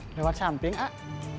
lewat samping ah